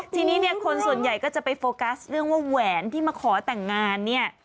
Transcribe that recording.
ทีนี้เนี่ยคนส่วนใหญ่ก็จะไปโฟกัสเรื่องว่าแหวนที่มาขอแต่งงานเนี่ย